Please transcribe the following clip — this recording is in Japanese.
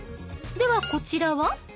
ではこちらは？